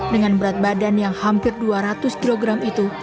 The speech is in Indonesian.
dengan berat badan yang hampir dua ratus kg itu